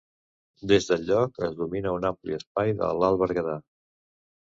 Des del lloc es domina un ampli espai de l'Alt Berguedà.